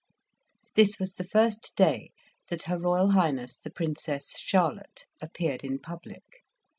This was the first day that her Royal Highness the Princess Charlotte appeared in public.